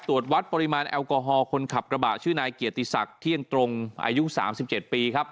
ตรวจวัดปริมาณแอลกอฮอล์คนขับกระบะชื่อนายเกียรติศักดิ์เที่ยงตรงอายุ๓๗ปีครับ